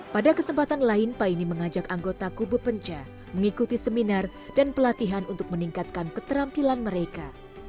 pada kesempatan lain paine mengajak anggota kubu penca mengikuti seminar dan pelatihan untuk meningkatkan keterampilan mereka